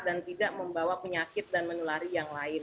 dan tidak membawa penyakit dan menulari yang lain